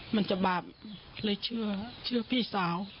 มันจะบาปเลยเชื่อพี่สาว